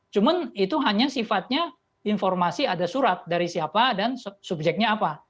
cuma itu hanya sifatnya informasi ada surat dari siapa dan subjeknya apa